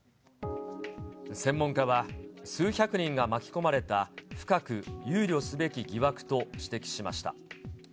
専門家は、数百人が巻き込まれた深く憂慮すべき疑惑と指摘しました。